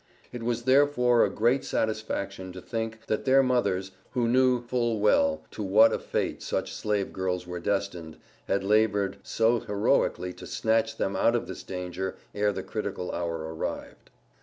It was therefore a great satisfaction to think, that their mothers, who knew full well to what a fate such slave girls were destined, had labored so heroically to snatch them out of this danger ere the critical hour arrived.